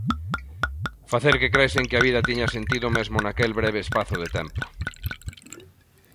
Facer que cresen que a vida tiña sentido mesmo naquel breve espazo de tempo.